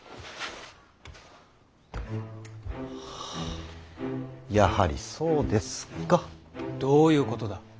はあやはりそうですか。どういうことだ。